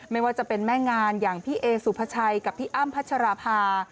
ไม่ว่าจะเป็นแม่งานอย่างพี่เอสุภาชัยกับพี่อ้ำพัชราภา